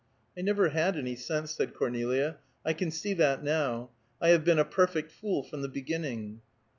"I never had any sense," said Cornelia, "I can see that now. I have been a perfect fool from the beginning."